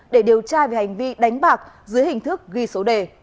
để điều tra về hành vi đánh bạc dưới hình thức ghi số đề